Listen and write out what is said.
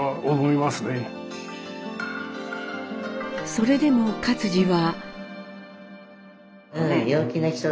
それでも克爾は。